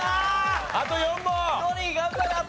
あと４問。